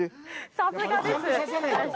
さすがです。